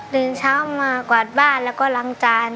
ตื่นเช้ามากวาดบ้านแล้วก็ล้างจาน